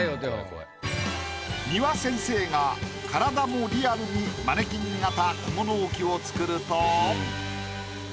丹羽先生が体もリアルにマネキン型小物置きを作ると。